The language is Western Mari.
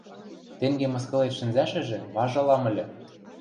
Тенге мыскылен шӹнзӓшӹжӹ важылам ыльы...